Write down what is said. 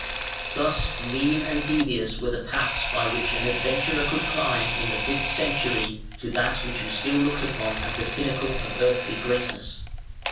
Thus mean and devious were the paths by which an adventurer could climb in the fifth century to that which was still looked upon as the pinnacle of earthly greatness.